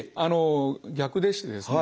逆でしてですね